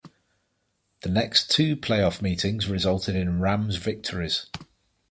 The next two playoff meetings resulted in Rams victories.